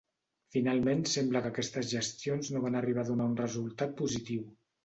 Finalment sembla que aquestes gestions no van arribar a donar un resultat positiu.